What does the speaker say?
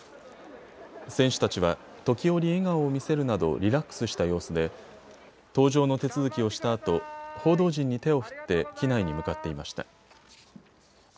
選手たちは時折笑顔を見せるなどリラックスした様子で搭乗の手続きをしたあと報道陣に手を振って機内に向かっていました。